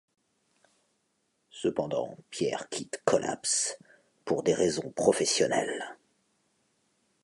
Cependant, Pierre quitte Collapse pour des raisons professionnelles.